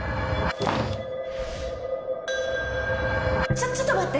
ちょっちょっと待って！